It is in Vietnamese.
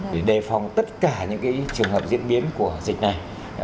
để đề phòng tất cả những trường hợp diễn biến của dịch này